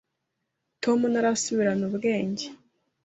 Tom ntarasubirana ubwenge.